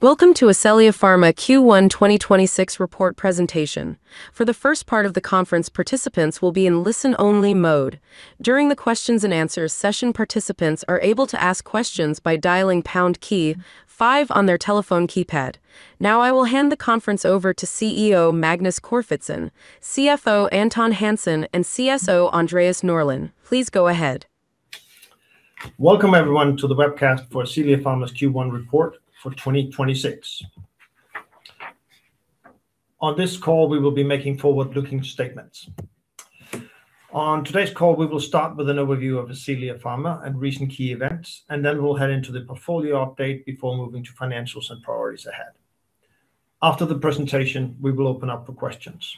Welcome to Ascelia Pharma Q1 2026 report presentation. For the first part of the conference participants will be in only-listen mode. During the questions and answer session, participants are able to ask questions by dialling pound key five on their teplephone keypad. Now, I will hand the conference over to CEO Magnus Corfitzen, CFO Anton Hansson, and CSO Andreas Norlin. Please go ahead. Welcome everyone to the webcast for Ascelia Pharma's Q1 report for 2026. On this call, we will be making forward-looking statements. On today's call, we will start with an overview of Ascelia Pharma and recent key events, and then we'll head into the portfolio update before moving to financials and priorities ahead. After the presentation, we will open up for questions.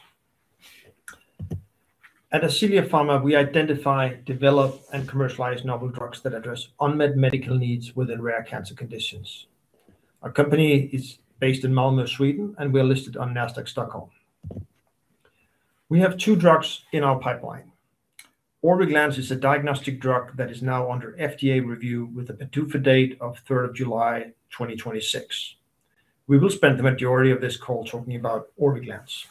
At Ascelia Pharma, we identify, develop, and commercialize novel drugs that address unmet medical needs within rare cancer conditions. Our company is based in Malmö, Sweden, and we are listed on Nasdaq Stockholm. We have two drugs in our pipeline. Orviglance is a diagnostic drug that is now under FDA review with a PDUFA date of July 3rd 2026. We will spend the majority of this call talking about Orviglance.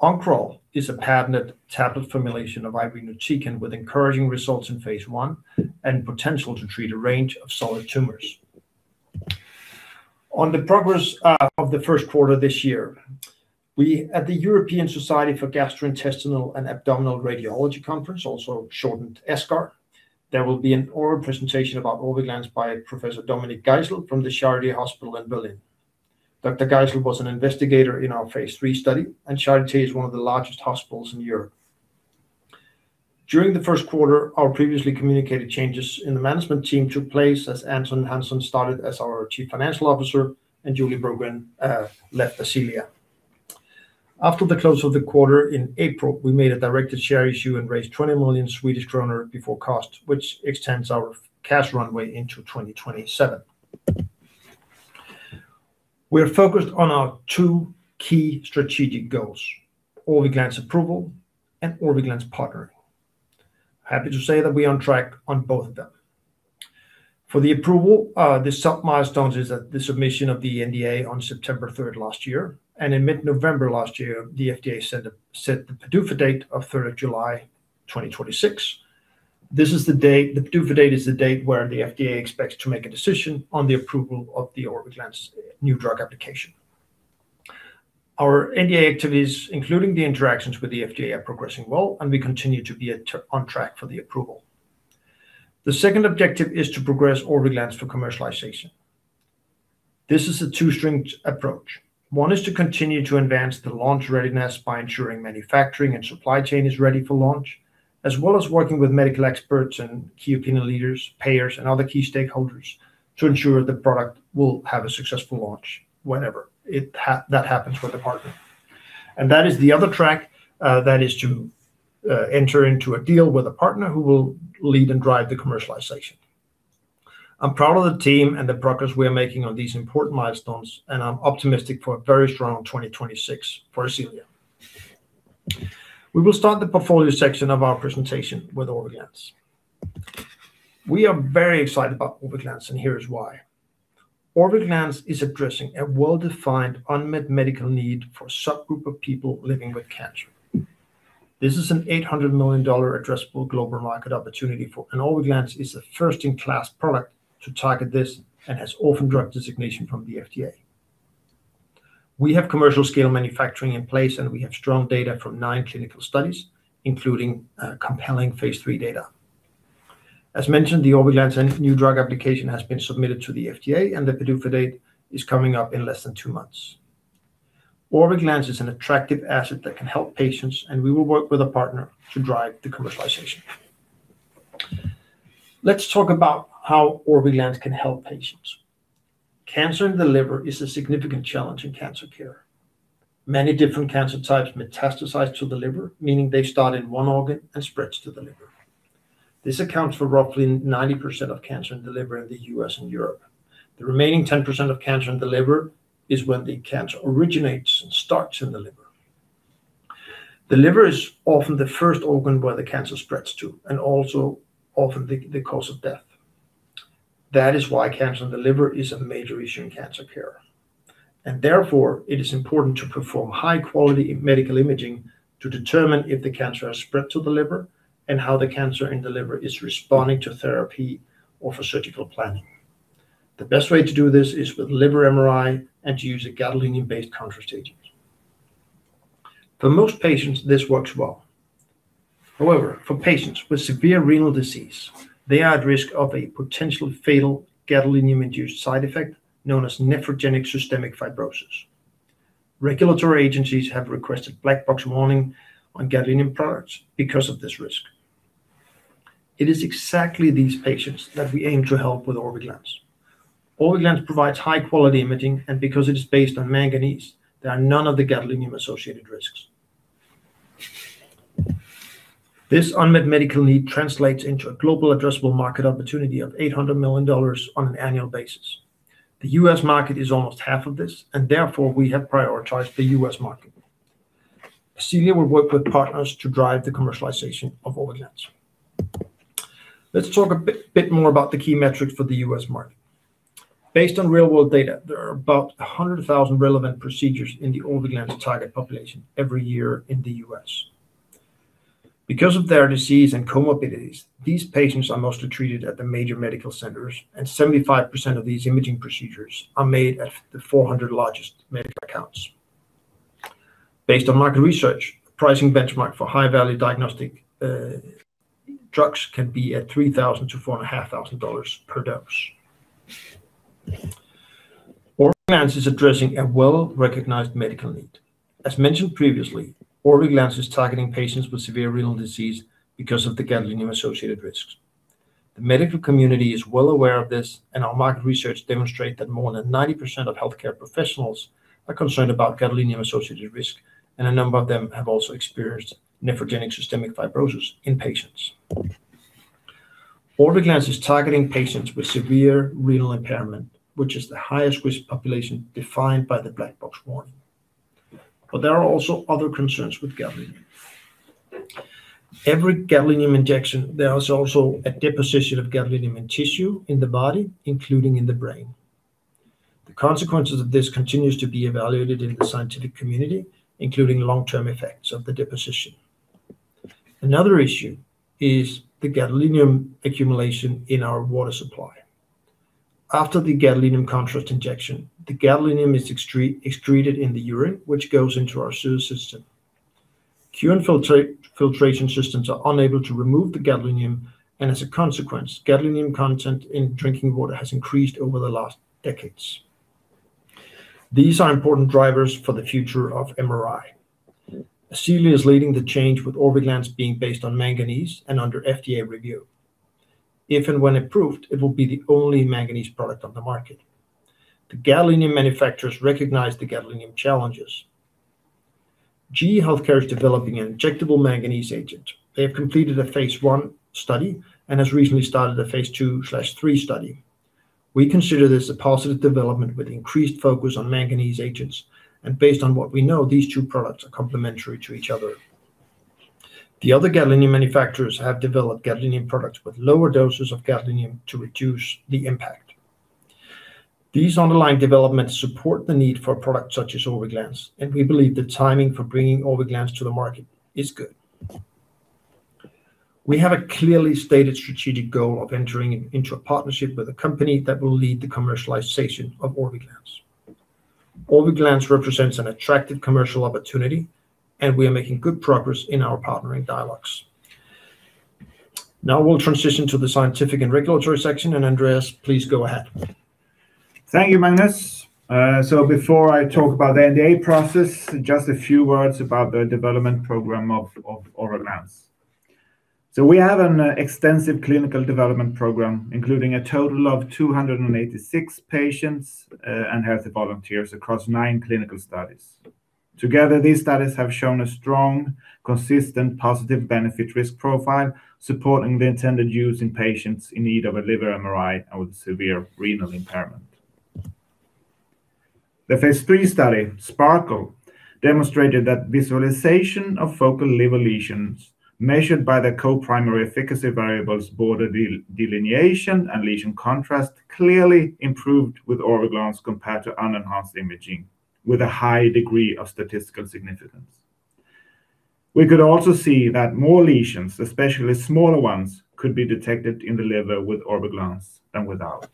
Oncoral is a patented tablet formulation of irinotecan with encouraging results in phase I and potential to treat a range of solid tumors. The progress of the first quarter this year, we at the European Society for Gastrointestinal and Abdominal Radiology conference, also shortened ESGAR, there will be an oral presentation about Orviglance by Professor Dominik Geisel from the Charité Hospital in Berlin. Dr. Geisel was an investigator in our phase III study, and Charité is one of the largest hospitals in Europe. During the first quarter, our previously communicated changes in the management team took place as Anton Hansson started as our Chief Financial Officer and Julie Brogren left Ascelia. After the close of the quarter in April, we made a directed share issue and raised 20 million Swedish kronor before cost, which extends our cash runway into 2027. We are focused on our two key strategic goals, Orviglance approval and Orviglance partnering. Happy to say that we on track on both of them. For the approval, the sub-milestones is at the submission of the NDA on September 3rd last year, and in mid-November last year, the FDA set the PDUFA date of July 3rd, 2026. The PDUFA date is the date where the FDA expects to make a decision on the approval of the Orviglance new drug application. Our NDA activities, including the interactions with the FDA, are progressing well, and we continue to be on track for the approval. The second objective is to progress Orviglance for commercialization. This is a two-stringed approach. One is to continue to advance the launch readiness by ensuring manufacturing and supply chain is ready for launch, as well as working with medical experts and key opinion leaders, payers, and other key stakeholders to ensure the product will have a successful launch whenever that happens with a partner. That is the other track, that is to enter into a deal with a partner who will lead and drive the commercialization. I'm proud of the team and the progress we are making on these important milestones, and I'm optimistic for a very strong 2026 for Ascelia. We will start the portfolio section of our presentation with Orviglance. We are very excited about Orviglance, and here is why. Orviglance is addressing a well-defined unmet medical need for a subgroup of people living with cancer. This is an $800 million addressable global market opportunity, Orviglance is a first-in-class product to target this and has orphan drug designation from the FDA. We have commercial scale manufacturing in place, we have strong data from nine clinical studies, including compelling phase III data. As mentioned, the Orviglance new drug application has been submitted to the FDA, the PDUFA date is coming up in less than two months. Orviglance is an attractive asset that can help patients, we will work with a partner to drive the commercialization. Let's talk about how Orviglance can help patients. Cancer in the liver is a significant challenge in cancer care. Many different cancer types metastasize to the liver, meaning they start in one organ and spreads to the liver. This accounts for roughly 90% of cancer in the liver in the U.S. and Europe. The remaining 10% of cancer in the liver is when the cancer originates and starts in the liver. The liver is often the first organ where the cancer spreads to and also often the cause of death. That is why cancer in the liver is a major issue in cancer care. Therefore, it is important to perform high quality medical imaging to determine if the cancer has spread to the liver and how the cancer in the liver is responding to therapy or for surgical planning. The best way to do this is with liver MRI and to use a gadolinium-based contrast agent. For most patients, this works well. However, for patients with severe renal disease, they are at risk of a potentially fatal gadolinium-induced side effect known as nephrogenic systemic fibrosis. Regulatory agencies have requested black box warning on gadolinium products because of this risk. It is exactly these patients that we aim to help with Orviglance. Orviglance provides high quality imaging. Because it is based on manganese, there are none of the gadolinium associated risks. This unmet medical need translates into a global addressable market opportunity of $800 million on an annual basis. The U.S. market is almost half of this. Therefore, we have prioritized the U.S. market. Ascelia will work with partners to drive the commercialization of Orviglance. Let's talk a bit more about the key metrics for the U.S. market. Based on real world data, there are about 100,000 relevant procedures in the Orviglance target population every year in the U.S. Because of their disease and comorbidities, these patients are mostly treated at the major medical centers. 75% of these imaging procedures are made at the 400 largest medical accounts. Based on market research, pricing benchmark for high-value diagnostic drugs can be at $3,000-$4,500 per dose. Orviglance is addressing a well-recognized medical need. As mentioned previously, Orviglance is targeting patients with severe renal disease because of the gadolinium associated risks. The medical community is well aware of this, and our market research demonstrate that more than 90% of healthcare professionals are concerned about gadolinium associated risk, and a number of them have also experienced nephrogenic systemic fibrosis in patients. Orviglance is targeting patients with severe renal impairment, which is the highest risk population defined by the black box warning. There are also other concerns with gadolinium. Every gadolinium injection, there is also a deposition of gadolinium in tissue in the body, including in the brain. The consequences of this continues to be evaluated in the scientific community, including long-term effects of the deposition. Another issue is the gadolinium accumulation in our water supply. After the gadolinium contrast injection, the gadolinium is excreted in the urine, which goes into our sewer system. Filtration systems are unable to remove the gadolinium, and as a consequence, gadolinium content in drinking water has increased over the last decades. These are important drivers for the future of MRI. Ascelia is leading the change with Orviglance being based on manganese and under FDA review. If and when approved, it will be the only manganese product on the market. The gadolinium manufacturers recognize the gadolinium challenges. GE HealthCare is developing an injectable manganese agent. They have completed a phase I study and has recently started a phase II/III study. We consider this a positive development with increased focus on manganese agents, based on what we know, these two products are complementary to each other. The other gadolinium manufacturers have developed gadolinium products with lower doses of gadolinium to reduce the impact. These underlying developments support the need for a product such as Orviglance, we believe the timing for bringing Orviglance to the market is good. We have a clearly stated strategic goal of entering into a partnership with a company that will lead the commercialization of Orviglance. Orviglance represents an attractive commercial opportunity, we are making good progress in our partnering dialogues. Now we'll transition to the scientific and regulatory section, Andreas, please go ahead. Thank you, Magnus. Before I talk about the NDA process, just a few words about the development program of Orviglance. We have an extensive clinical development program, including a total of 286 patients and healthy volunteers across 9 clinical studies. Together, these studies have shown a strong, consistent, positive benefit risk profile supporting the intended use in patients in need of a liver MRI and with severe renal impairment. The phase III study, SPARKLE, demonstrated that visualization of focal liver lesions measured by the co-primary efficacy variables border delineation and lesion contrast clearly improved with Orviglance compared to unenhanced imaging with a high degree of statistical significance. We could also see that more lesions, especially smaller ones, could be detected in the liver with Orviglance than without.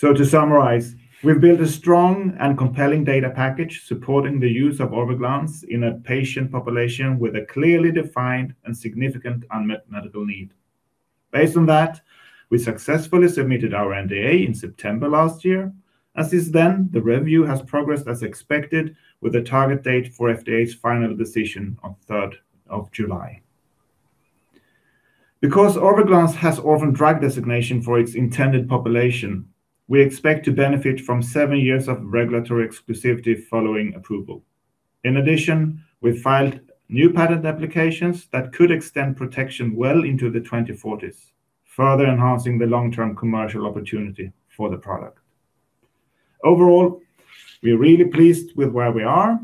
To summarize, we built a strong and compelling data package supporting the use of Orviglance in a patient population with a clearly defined and significant unmet medical need. Based on that, we successfully submitted our NDA in September last year. And since then, the review has progressed as expected with a target date for FDA's final decision on 3rd of July. Because Orviglance has orphan drug designation for its intended population, we expect to benefit from seven years of regulatory exclusivity following approval. In addition, we filed new patent applications that could extend protection well into the 2040s, further enhancing the long-term commercial opportunity for the product. Overall, we are really pleased with where we are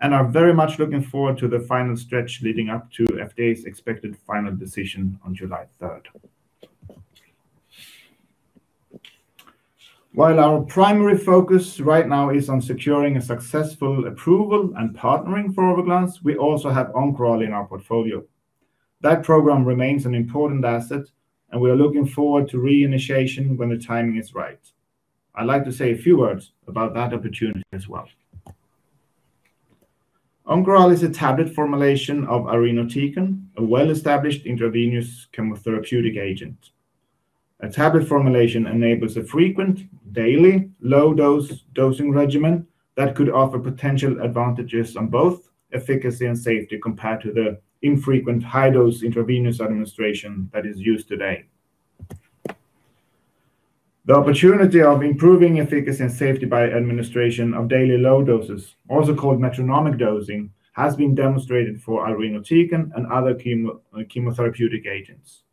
and are very much looking forward to the final stretch leading up to FDA's expected final decision on July 3rd. While our primary focus right now is on securing a successful approval and partnering for Orviglance, we also have Oncoral in our portfolio. That program remains an important asset, and we are looking forward to re-initiation when the timing is right. I'd like to say a few words about that opportunity as well. Oncoral is a tablet formulation of irinotecan, a well-established intravenous chemotherapeutic agent. A tablet formulation enables a frequent, daily, low-dose dosing regimen that could offer potential advantages on both efficacy and safety compared to the infrequent high-dose intravenous administration that is used today. The opportunity of improving efficacy and safety by administration of daily low doses, also called metronomic dosing, has been demonstrated for irinotecan and other chemotherapeutic agents.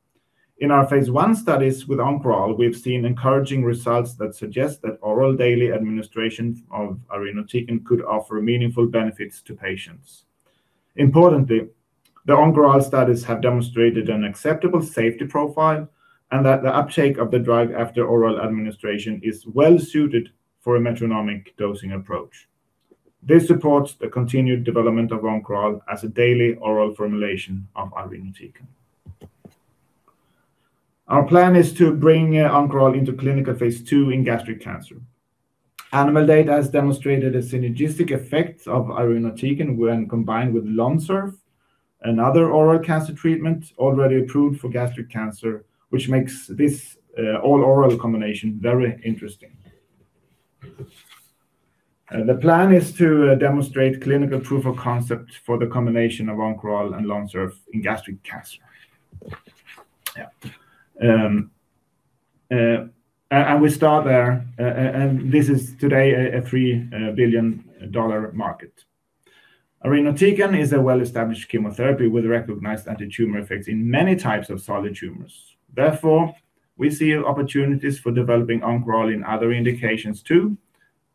In our phase I studies with Oncoral, we've seen encouraging results that suggest that oral daily administration of irinotecan could offer meaningful benefits to patients. Importantly, the Oncoral studies have demonstrated an acceptable safety profile and that the uptake of the drug after oral administration is well-suited for a metronomic dosing approach. This supports the continued development of Oncoral as a daily oral formulation of irinotecan. Our plan is to bring Oncoral into clinical phase II in gastric cancer. Animal data has demonstrated a synergistic effect of irinotecan when combined with LONSURF, another oral cancer treatment already approved for gastric cancer, which makes this all-oral combination very interesting. The plan is to demonstrate clinical proof of concept for the combination of Oncoral and LONSURF in gastric cancer. Yeah. We start there, and this is today a 3 billion dollar market. irinotecan is a well-established chemotherapy with recognized anti-tumor effects in many types of solid tumors. Therefore, we see opportunities for developing Oncoral in other indications too,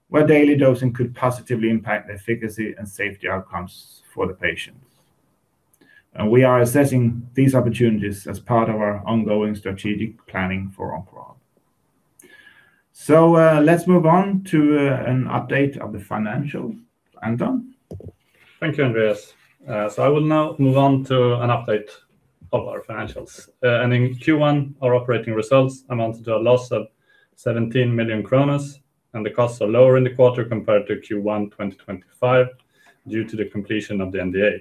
where daily dosing could positively impact the efficacy and safety outcomes for the patients. We are assessing these opportunities as part of our ongoing strategic planning for Oncoral. Let's move on to an update of the financial. Anton? Thank you, Andreas. I will now move on to an update of our financials. In Q1, our operating results amounted to a loss of 17 million, and the costs are lower in the quarter compared to Q1 2025 due to the completion of the NDA.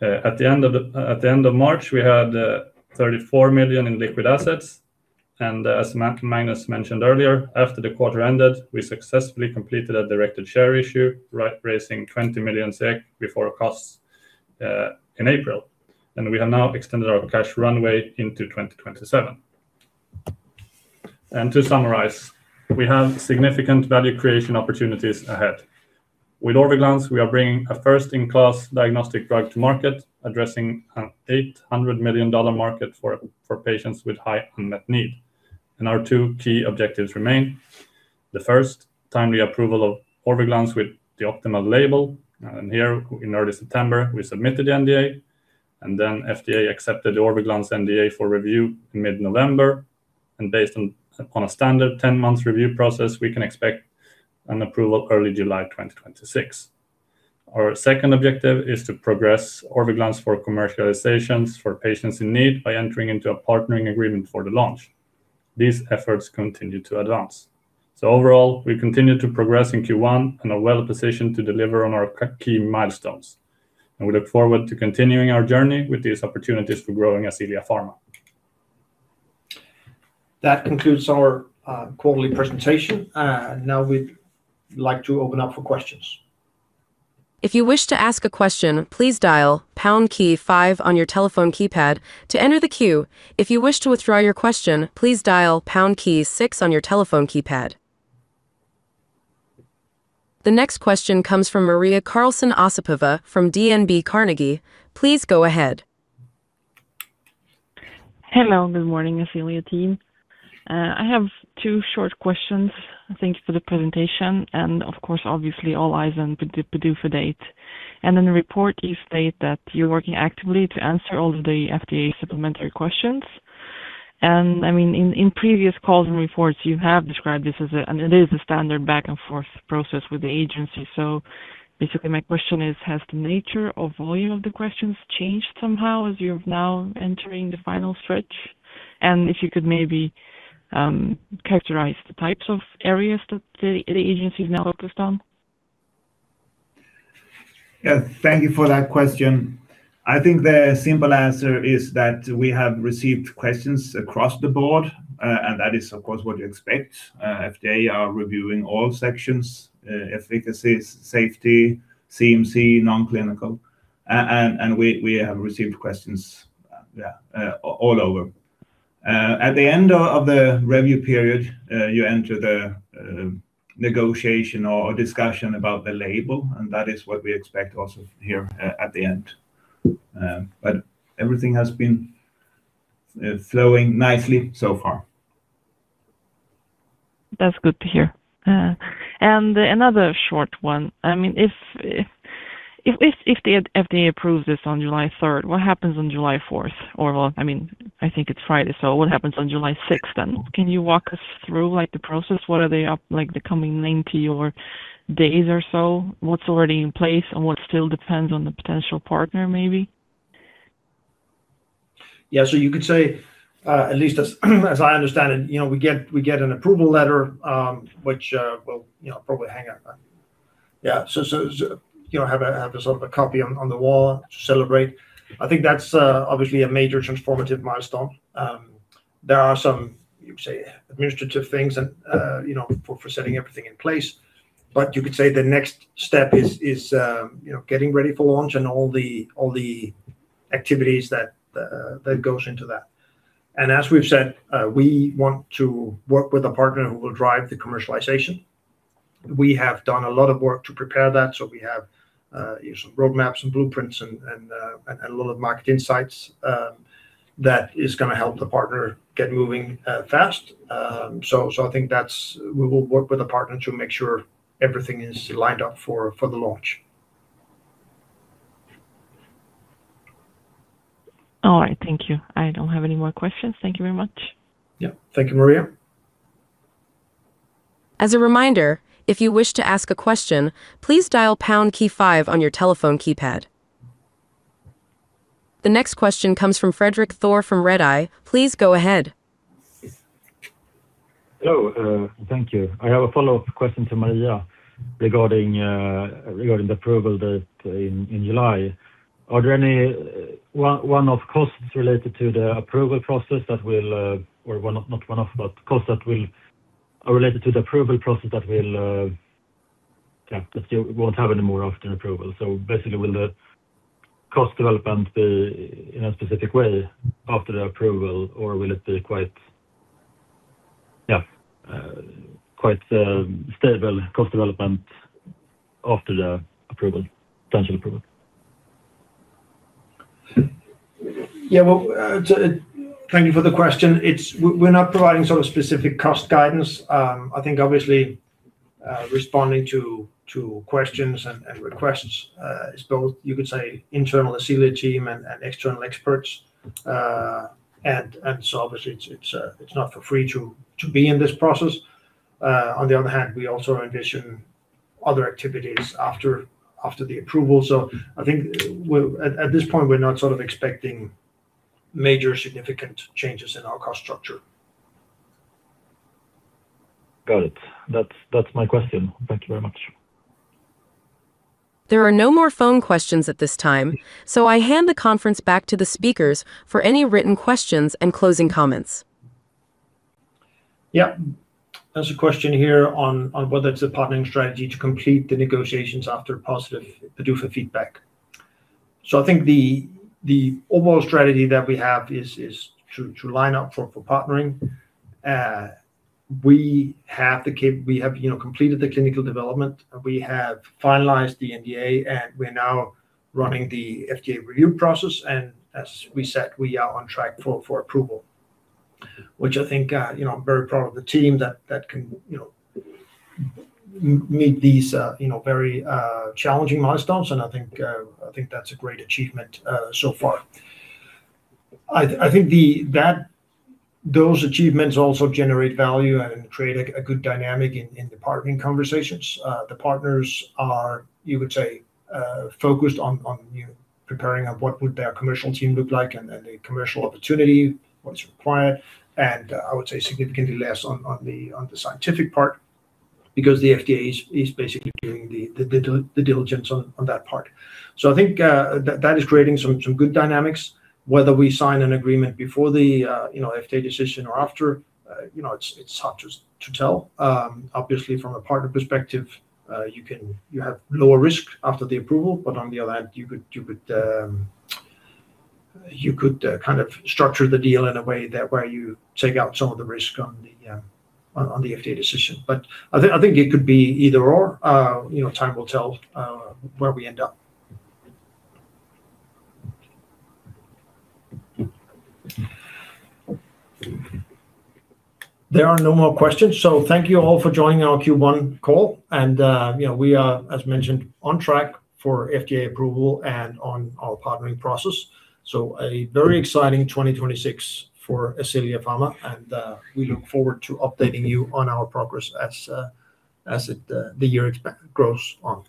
At the end of March, we had 34 million in liquid assets. As Magnus mentioned earlier, after the quarter ended, we successfully completed a directed share issue, raising 20 million SEK before costs in April. We have now extended our cash runway into 2027. To summarize, we have significant value creation opportunities ahead. With Orviglance, we are bringing a first-in-class diagnostic drug to market, addressing an $800 million market for patients with high unmet need. Our two key objectives remain. The first, timely approval of Orviglance with the optimal label. Here, in early September, we submitted the NDA. FDA accepted the Orviglance NDA for review in mid-November. Upon a standard 10-month review process, we can expect an approval early July 2026. Our second objective is to progress Orviglance for commercializations for patients in need by entering into a partnering agreement for the launch. These efforts continue to advance. Overall, we continue to progress in Q1 and are well-positioned to deliver on our key milestones. We look forward to continuing our journey with these opportunities for growing Ascelia Pharma. That concludes our quarterly presentation. Now we'd like to open up for questions. If you with to ask a question please dial pound key five on your telephone key-pad to enter the queue. If you wish to withdraw your question, please dial pound six on your telephone key pad. The next question comes from Maria Karlsson Osipova from DNB Carnegie. Please go ahead. Hello. Good morning, Ascelia team. I have two short questions. Thank you for the presentation and, of course, obviously all eyes on the PDUFA date. In the report, you state that you're working actively to answer all of the FDA supplementary questions. I mean, in previous calls and reports, you have described this as and it is, a standard back-and-forth process with the agency. Basically, my question is, has the nature or volume of the questions changed somehow as you're now entering the final stretch? If you could maybe, characterize the types of areas that the agency is now focused on. Thank you for that question. I think the simple answer is that we have received questions across the board, and that is, of course, what you expect. FDA are reviewing all sections, efficacies, safety, CMC, non-clinical, and we have received questions all over. At the end of the review period, you enter the negotiation or discussion about the label, and that is what we expect also here at the end. Everything has been flowing nicely so far. That's good to hear. Another short one. I mean, if the FDA approves this on July 3rd, what happens on July 4th? Well, I mean, I think it's Friday, so what happens on July 6th then? Can you walk us through, like, the process? What are they up, like, the coming 90 or days or so? What's already in place, and what still depends on the potential partner, maybe? You could say, at least as I understand it, you know, we get an approval letter, which, we'll, you know, probably hang up. You know, have a sort of a copy on the wall to celebrate. I think that's obviously a major transformative milestone. There are some, you could say, administrative things and, you know, for setting everything in place. You could say the next step is, you know, getting ready for launch and all the activities that goes into that. As we've said, we want to work with a partner who will drive the commercialization. We have done a lot of work to prepare that, so we have, you know, some roadmaps and blueprints and a lot of market insights that is gonna help the partner get moving fast. We will work with the partner to make sure everything is lined up for the launch. All right. Thank you. I don't have any more questions. Thank you very much. Yeah. Thank you, Maria. The next question comes from Fredrik Thor from Redeye. Please go ahead. Hello. Thank you. I have a follow-up question to Maria regarding regarding the approval that in July. Are there any one-off costs related to the approval process that will or one-off, not one-off, but costs that will related to the approval process that will, yeah, that you won't have any more of than approval? Basically, will the cost development be in a specific way after the approval, or will it be quite, yeah, quite stable cost development after the approval, potential approval? Yeah, well, Thank you for the question. It's we're not providing sort of specific cost guidance. I think obviously, responding to questions and requests, is both, you could say, internal Ascelia team and external experts. Obviously it's not for free to be in this process. On the other hand, we also envision other activities after the approval. I think we're at this point, we're not sort of expecting major significant changes in our cost structure. Got it. That's my question. Thank you very much. There are no more phone questions at this time. I hand the conference back to the speakers for any written questions and closing comments. Yeah. There's a question here on whether it's a partnering strategy to complete the negotiations after a positive PDUFA feedback. I think the overall strategy that we have is to line up for partnering. We have, you know, completed the clinical development, we have finalized the NDA, we're now running the FDA review process. As we said, we are on track for approval, which I think, you know, I'm very proud of the team that can, you know, meet these, you know, very challenging milestones, I think that's a great achievement so far. I think that those achievements also generate value and create a good dynamic in the partnering conversations. The partners are, you would say, you know, focused on preparing of what would their commercial team look like and then the commercial opportunity, what's required, and I would say significantly less on the scientific part because the FDA is basically doing the diligence on that part. I think that is creating good dynamics. Whether we sign an agreement before the, you know, FDA decision or after, you know, it's hard to tell. Obviously from a partner perspective, you have lower risk after the approval, but on the other hand, you could kind of structure the deal in a way that where you take out some of the risk on the FDA decision. I think, I think it could be either/or. you know, time will tell, where we end up. There are no more questions, so thank you all for joining our Q1 call. you know, we are, as mentioned, on track for FDA approval and on our partnering process, so a very exciting 2026 for Ascelia Pharma, we look forward to updating you on our progress as it the year grows on.